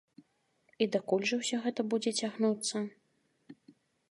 І дакуль жа ўсё гэта будзе цягнуцца?